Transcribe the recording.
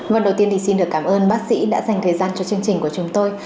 vâng đầu tiên thì xin được cảm ơn bác sĩ đã dành thời gian cho chương trình của chúng tôi